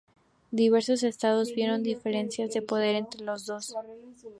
Diversos estados vieron diferencias de poder entre los dos.